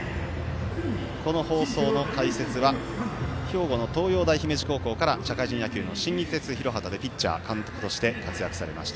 この放送の解説は兵庫の東洋大姫路高校から社会人野球、新日鉄広畑でピッチャー、監督として活躍されました